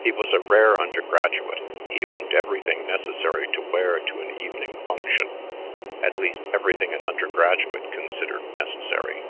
He was a rare undergraduate; he owned everything necessary to wear to an evening function at least, everything an undergraduate considered necessary.